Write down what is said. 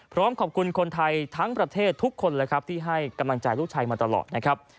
พร้อมขอบคุณคนไทยทั้งประเทศทุกคนเลยครับที่ให้กำลังใจลูกชายมาตลอดนะครับ